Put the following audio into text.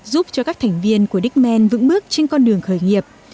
giúp cho các thành viên của diekmen vững bước trên con đường khởi nghiệp